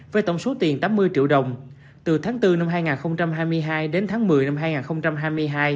với tổng số tiền tám mươi triệu đồng từ tháng bốn năm hai nghìn hai mươi hai đến tháng một mươi năm hai nghìn hai mươi hai